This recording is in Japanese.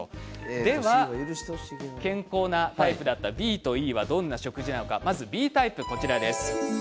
では健康なタイプだったＢとＥはどんな食事なのかまずはＢタイプです。